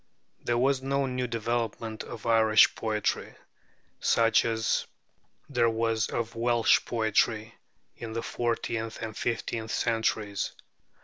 There was no new development of Irish poetry, such as there was of Welsh poetry in the fourteenth and fifteenth centuries.